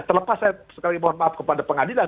terlepas saya sekali mohon maaf kepada pengadilan